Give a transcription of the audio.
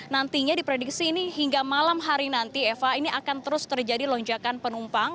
nantinya diprediksi ini hingga malam hari nanti eva ini akan terus terjadi lonjakan penumpang